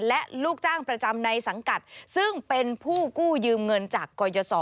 และลูกจ้างประจำในสังกัดซึ่งเป็นผู้กู้ยืมเงินจากกรยศ